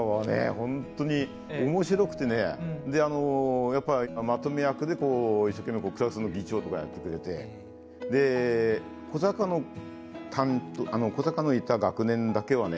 本当に面白くてねやっぱりまとめ役で一生懸命こうクラスの議長とかやってくれてで古坂のいた学年だけはね